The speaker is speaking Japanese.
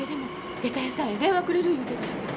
下駄屋さんへ電話くれる言うてたんやけど。